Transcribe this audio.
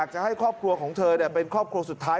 จะให้ครอบครัวของเธอเป็นครอบครัวสุดท้าย